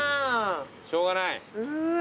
しょうがない。